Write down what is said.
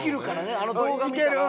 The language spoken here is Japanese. あの動画見たら。